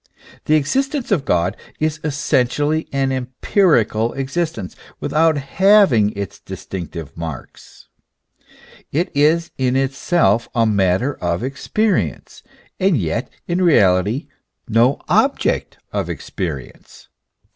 The existence of God is essentially an empirical existence, without having its distinctive marks ; it is in itself a matter of experience, and yet in reality no object of experience.